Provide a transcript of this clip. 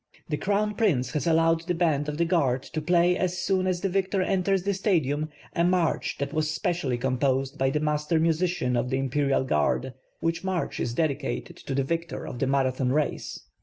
The Crown Prince has allowed the band of the Guard to play as soon as the victor enters the Stadium, a march that was specially composed by the master musician of the Imperial Guard, which march is dedicated to the victor of the Marathon race.